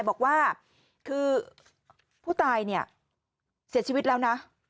บอกว่าคือพูดตายเสียชีวิตแล้วนะ